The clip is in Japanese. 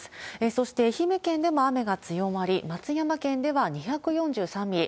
そして、愛媛県でも雨が強まり、松山県では２４３ミリ。